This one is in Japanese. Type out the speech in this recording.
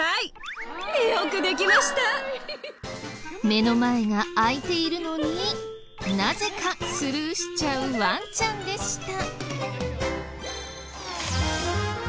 目の前が開いているのになぜかスルーしちゃうワンちゃんでした。